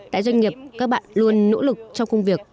tại doanh nghiệp các bạn luôn nỗ lực trong công việc